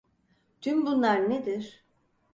Tüm bunlar nedir?